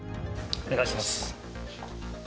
お願いします。